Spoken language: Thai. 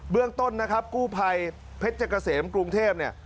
เรื่องต้นนะครับกู้ภัยเพชรเกษมกรุงเทพเนี่ย